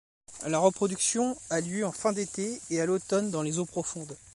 La reproduction a lieu en fin d'été et à l'automne dans les eaux profondes.